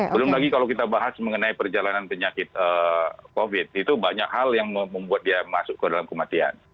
belum lagi kalau kita bahas mengenai perjalanan penyakit covid itu banyak hal yang membuat dia masuk ke dalam kematian